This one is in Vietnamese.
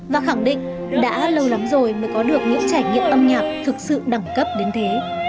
và khẳng định đã lâu lắm rồi mới có được những trải nghiệm âm nhạc thực sự đẳng cấp đến thế